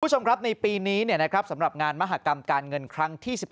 คุณผู้ชมครับในปีนี้สำหรับงานมหากรรมการเงินครั้งที่๑๖